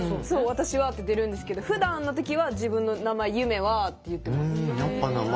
「わたしは」って出るんですけどふだんの時は自分の名前「ゆめは」って言ってます。